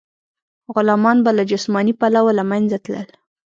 غلامان به له جسماني پلوه له منځه تلل.